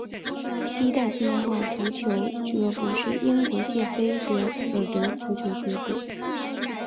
第一家现代足球俱乐部是英国谢菲尔德足球俱乐部。